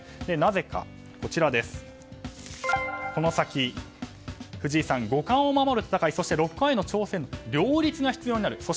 なぜかというとこの先、藤井さん五冠を守る戦いそして六冠への挑戦両立が必要になる。